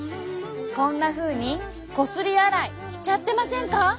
こんなふうにこすり洗いしちゃってませんか？